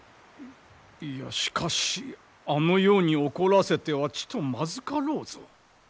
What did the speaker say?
いやしかしあのように怒らせてはちとまずかろうぞ。